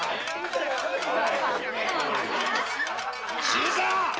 新さん！